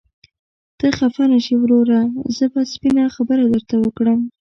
ته خفه نشې وروره، زه به سپينه خبره درته وکړم.